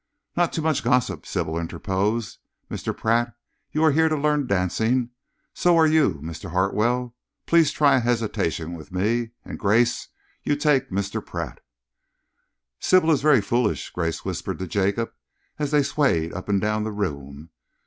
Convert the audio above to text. "Not too much gossip," Sybil interposed. "Mr. Pratt, you are here to learn dancing. So are you, Mr. Hartwell. Please try a hesitation with me, and, Grace, you take Mr. Pratt." "Sybil is very foolish," Grace whispered to Jacob, as they swayed up and down the room.